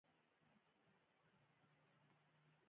دا یو معمول بهیر دی چې له منطق څخه سرچینه اخلي